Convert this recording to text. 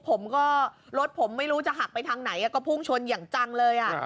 ผมก็รถผมไม่รู้จะหักไปทางไหนก็พุ่งชนอย่างจังเลย